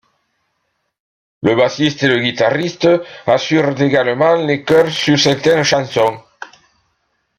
Le bassiste et le guitariste assurent également les chœurs sur certaines chansons.